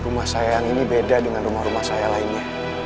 rumah saya yang ini beda dengan rumah rumah saya lainnya